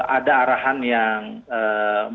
ada arahan yang menarik